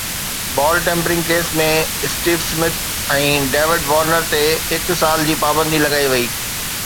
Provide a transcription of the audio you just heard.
بال tampering case ۾ Steve Smith ۽ David Warner تي هڪ سال جي پابندي لڳائي وئي